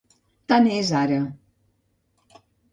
Tant és ara.